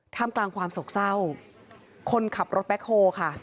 กลางความโศกเศร้าคนขับรถแบ็คโฮค่ะ